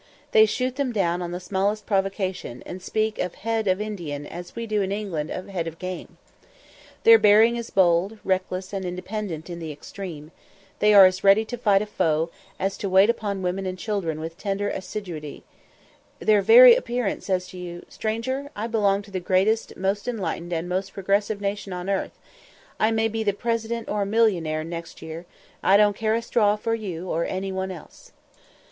They shoot them down on the smallest provocation, and speak of "head of Indian," as we do in England of head of game. Their bearing is bold, reckless, and independent in the extreme; they are as ready to fight a foe as to wait upon women and children with tender assiduity; their very appearance says to you, "Stranger, I belong to the greatest, most enlightened, and most progressive nation on earth; I may be the President or a millionaire next year; I don't care a straw for you or any one else."